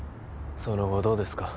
その後どうですか？